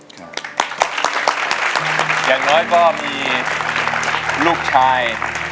คุณบ๊วยอย่างน้อยก็มีลูกชาย